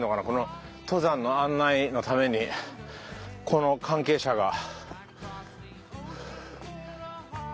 この登山の案内のためにこの関係者が。